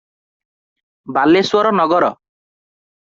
Baleswar Nagar.